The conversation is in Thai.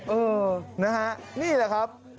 เออนะฮะนี่แหละครับ